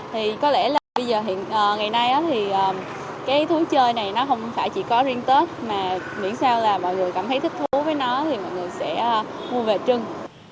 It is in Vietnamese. thì có lẽ là bây giờ ngày nay thì cái thú chơi này nó không phải chỉ có riêng tết mà miễn sao là mọi người cảm thấy thích thú với nó thì mọi người sẽ mua về trưng